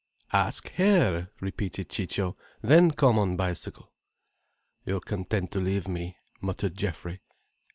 "Ask her," repeated Ciccio. "Then come on bicycle." "You're content to leave me," muttered Geoffrey.